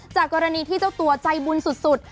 จากกรณีที่เจ้าตัวใจบุญสุด